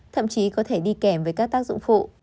thậm chí có thể đi kèm với các tác dụng phụ